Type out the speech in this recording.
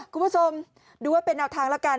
คุณผู้ชมดูว่าเป็นแนวทางแล้วกัน